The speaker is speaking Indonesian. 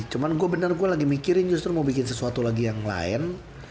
cuma gue bener gue lagi mikirin justru mau bikin sesuatu lagi yang lain